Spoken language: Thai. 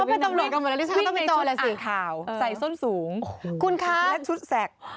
เอาคุณรัชบอลไปวิ่งหน่อยวิ่งในชุดอ่างขาวใส่ส้นสูงและชุดแสก